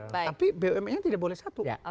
tapi bumn tidak boleh satu